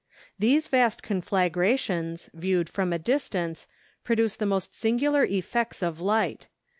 These vast conflagrations, viewed from a distance, produce the most singular effects of light.